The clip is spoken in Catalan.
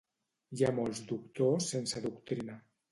Hi ha molts doctors sense doctrina.